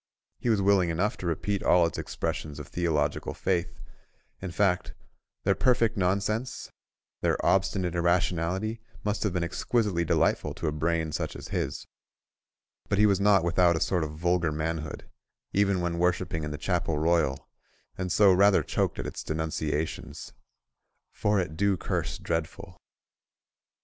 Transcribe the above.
He was willing enough to repeat all its expressions of theological faith—in fact, their perfect nonsense, their obstinate irrationality, must have been exquisitely delightful to a brain such as his; but he was not without a sort of vulgar manhood, even when worshipping in the Chapel Royal, and so rather choked at its denunciations—"for it do curse dreadful."